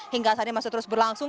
hingga saat ini masih terus berlangsung